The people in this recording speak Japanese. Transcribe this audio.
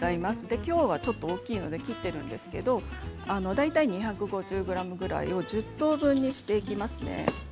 今日は大きいので切っているんですけど大体２５０ｇぐらい１０等分にしていきますね。